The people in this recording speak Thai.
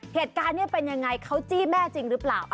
เหตุการณ์นี้เป็นยังไงเขาจี้แม่จริงหรือเปล่า